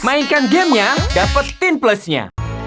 mainkan gamenya dapetin plusnya